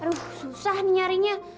aduh susah nih nyarinya